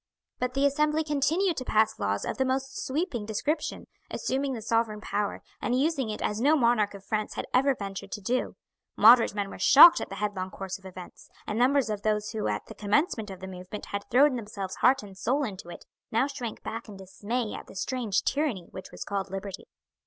But the Assembly continued to pass laws of the most sweeping description, assuming the sovereign power, and using it as no monarch of France had ever ventured to do. Moderate men were shocked at the headlong course of events, and numbers of those who at the commencement of the movement had thrown themselves heart and soul into it now shrank back in dismay at the strange tyranny which was called liberty.